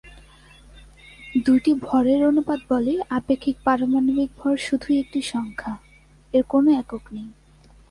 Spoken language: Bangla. দুইটি ভরের অনুপাত বলে আপেক্ষিক পারমাণবিক ভর শুধুই একটি সংখ্যা, এর কোনও একক নেই।